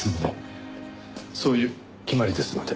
そういう決まりですので。